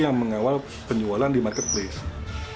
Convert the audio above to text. yang mengawal penjualan di marketplace